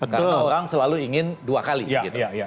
karena orang selalu ingin dua kali gitu